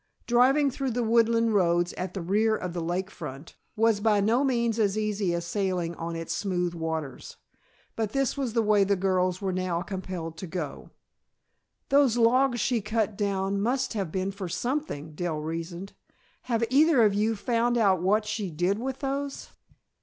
Driving through the woodland roads at the rear of the lake front, was by no means as easy as sailing on its smooth waters, but this was the way the girls were now compelled to go. "Those logs she cut down must have been for something," Dell reasoned. "Have either of you found out what she did with those?"